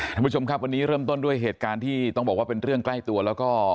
ท่านผู้ชมครับวันนี้เริ่มต้นด้วยเหตุการณ์ที่ต้องบอกว่าเป็นเรื่องใกล้ตัวแล้วก็